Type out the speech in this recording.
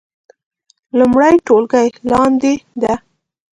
لومړۍ ټولګی لاندې ده